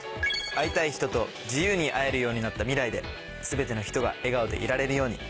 会いたい人と自由に会えるようになった未来で全ての人が笑顔でいられるように。